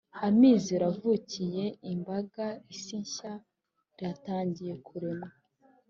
amizero avukiye imbaga, isi nshya iratangiye, kuremwa